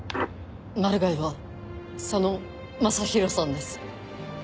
マルガイは佐野雅弘さんです。